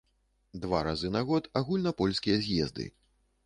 Два разы на год агульнапольскія з'езды.